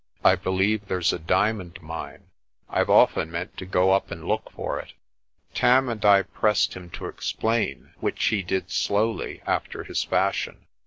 I believe there's a diamond mine. I've often meant to go up and look for it." Tarn and I pressed him to explain, which he did slowly after his fashion.